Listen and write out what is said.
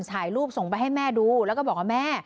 ถ่ายรูปส่งไปให้แม่ดูแล้วก็บอกว่าแม่